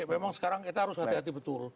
memang sekarang kita harus hati hati betul